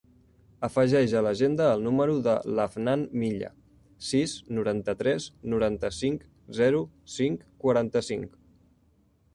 Afegeix a l'agenda el número de l'Afnan Milla: sis, noranta-tres, noranta-cinc, zero, cinc, quaranta-cinc.